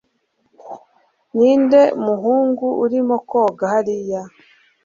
Ninde muhungu urimo koga hariya